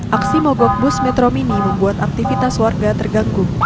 aksi mogok bus metro mini membuat aktivitas warga terganggu